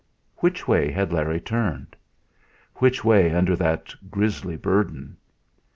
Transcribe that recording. Which way had Larry turned? Which way under that grisly burden?